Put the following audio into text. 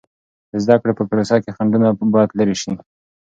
د زده کړې په پروسه کې خنډونه باید لیرې سي.